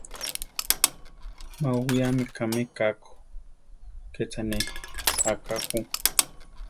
Má owiámi kame ká ko, ké cha ne; aká ju.